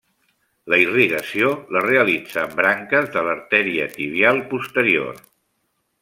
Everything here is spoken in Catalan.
La irrigació la realitzen branques de l'artèria tibial posterior.